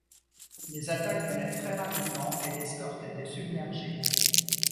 Les attaques venaient très rapidement et l'escorte était submergée.